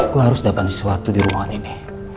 gue harus dapet sesuatu di ruangan ini